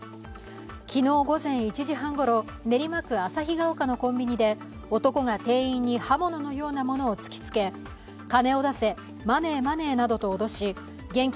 昨日午前１時半ごろ、練馬区旭丘のコンビニで男が店員に刃物のようなものを突きつけ金を出せ、マネー、マネーなどと脅し現金